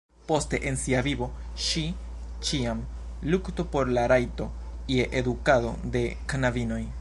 Poste en sia vivo ŝi ĉiam lukto por la rajto je edukado de knabinoj.